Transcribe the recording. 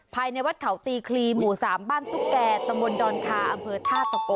ภายในวัดเขาตีคลีหมู่๓บ้านตุ๊กแก่ตำบลดอนคาอำเภอท่าตะโก